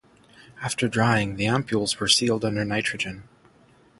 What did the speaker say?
After drying the ampoules were sealed under nitrogen.